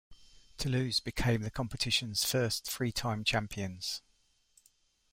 Toulouse became the competition's first three-time champions.